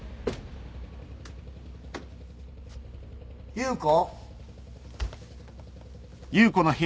優子。